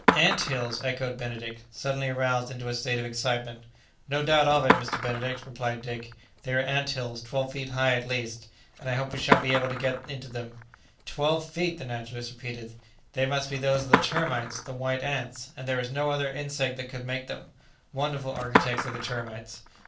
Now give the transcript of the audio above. "Ant hills!" echoed Benedict, suddenly aroused into a state of excitement. [Illustration: One after another, the whole party made their way inside] "No doubt of it, Mr. Benedict." replied Dick; "they are ant hills twelve feet high at least: and I hope we shall be able to get into them." "Twelve feet!" the naturalist repeated; "they must be those of the termites, the white ants; there is no other insect that could make them. Wonderful architects are the termites."